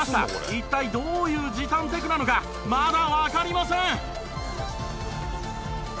一体どういう時短テクなのかまだわかりません